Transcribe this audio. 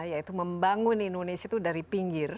yaitu membangun indonesia itu dari pinggir